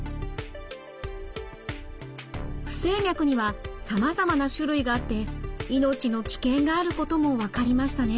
不整脈にはさまざまな種類があって命の危険があることも分かりましたね。